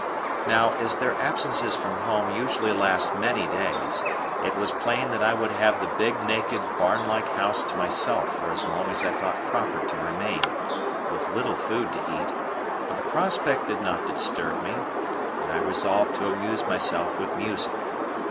Now, as their absences from home usually last many days, it was plain that I would have the big naked barn like house to myself for as long as I thought proper to remain, with little food to eat; but the prospect did not disturb me, and I resolved to amuse myself with music.